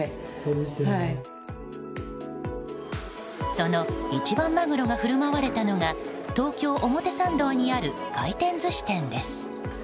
その一番マグロが振る舞われたのが東京・表参道にある回転寿司店です。